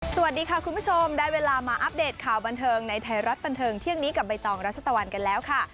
สวัสดีค่ะคุณผู้ชมได้เวลามาอัปเดตข่าวบันเทิงในไทยรัฐบันเทิงเที่ยงนี้กับใบตองรัชตะวันกันแล้วค่ะ